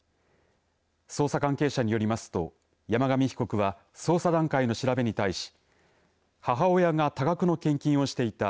捜査関係者によりますと山上被告は捜査段階の調べに対し母親が多額の献金をしていた。